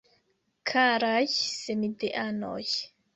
Karaj samideanoj!